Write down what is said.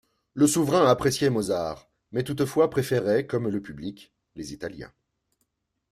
Le souverain appréciait Mozart, mais toutefois préférait, comme le public, les Italiens.